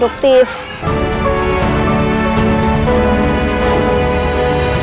dengan bagian disciplined kita